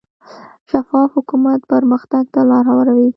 شفاف حکومت پرمختګ ته لار هواروي.